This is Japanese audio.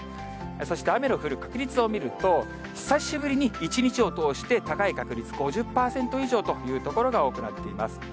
そして、雨の降る確率を見ると、久しぶりに一日を通して高い確率、５０％以上という所が多くなっています。